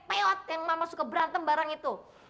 pewot yang mama suka berantem bareng itu